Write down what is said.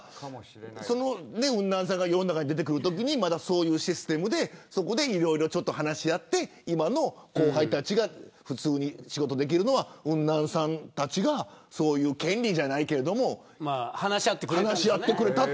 ウンナンさんが世の中に出てくるときまだそういうシステムでそこでいろいろ話し合って後輩が普通に仕事ができるのはウンナンさんたちが権利じゃないけども話し合ってくれた。